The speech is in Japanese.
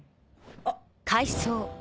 あっ！